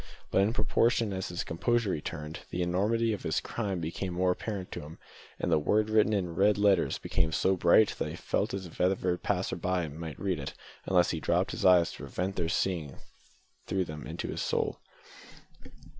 But in proportion as his composure returned the enormity of his crime became more apparent to him, and the word written in red letters became so bright that he felt as if every passer by must read it, unless he dropt his eyes to prevent their seeing through them into his soul.